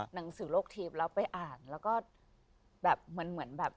หนังสือโลกทีปแล้วไปอ่านแล้วก็แบบเหมือนเหมือนแบบ